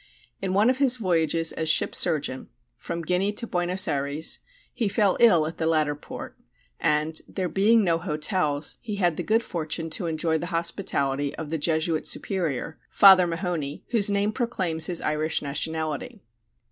In one of his voyages as ship surgeon, from Guinea to Buenos Ayres, he fell ill at the latter port, and, there being no hotels, he had the good fortune to enjoy the hospitality of the Jesuit superior, Father Mahony, whose name proclaims his Irish nationality.